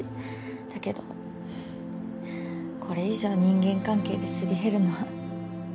だけどこれ以上人間関係ですり減るのは。